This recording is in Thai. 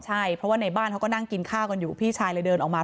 ใช่เพราะว่าในบ้านเขาก็นั่งกินข้าวกันอยู่พี่ชายเลยเดินออกมา